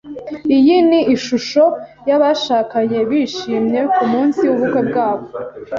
Iyi ni ishusho yabashakanye bishimye kumunsi wubukwe bwabo.